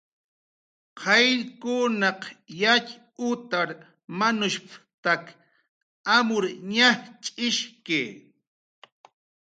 "Qayllkunaq yatxutar manushp""taki amur ñajch'ishki"